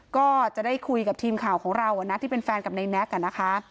ก็จะได้คุยกับทีมข่าวของเรานะที่เป็นแฟนกับนายแน็กนะคะ